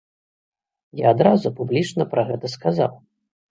Я адразу публічна пра гэта сказаў.